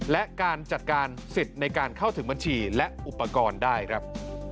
และการจัดการสิทธิ์ในการเข้าถึงบัญชีและอุปกรณ์ได้ครับ